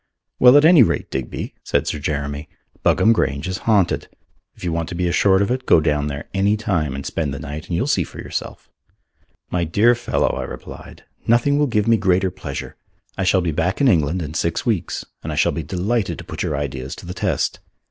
"Well, at any rate, Digby," said Sir Jeremy, "Buggam Grange is haunted. If you want to be assured of it go down there any time and spend the night and you'll see for yourself." "My dear fellow," I replied, "nothing will give me greater pleasure. I shall be back in England in six weeks, and I shall be delighted to put your ideas to the test.